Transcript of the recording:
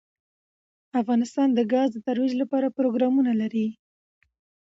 افغانستان د ګاز د ترویج لپاره پروګرامونه لري.